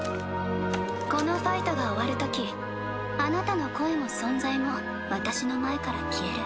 このファイトが終わるときあなたの声も存在も私の前から消える。